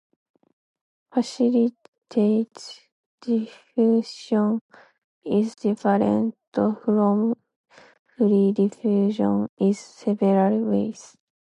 Facilitated diffusion is different from free diffusion in several ways.